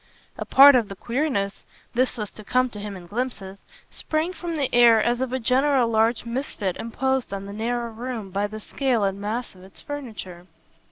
A part of the queerness this was to come to him in glimpses sprang from the air as of a general large misfit imposed on the narrow room by the scale and mass of its furniture.